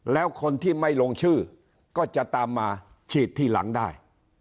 แล้วคนที่ไม่ลงชื่อก็จะตามมาฉีดทีหลังได้